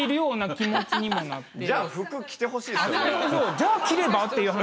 じゃあ着ればっていう話。